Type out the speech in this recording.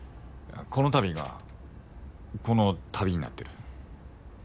「この度」が「この旅」になってる。